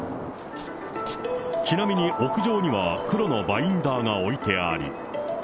ちなみに屋上には黒のバインダーが置いてあり。